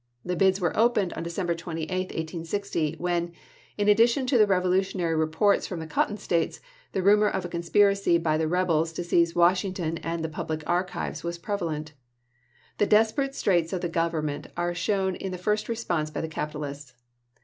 The bids were opened on December 28, 1860, when, in addition to the revolutionary reports from the Cotton States, the rumor of a conspiracy by the rebels to seize Washington and the public archives was prevalent. The desperate straits of the Government are shown in the first response by the capitalists.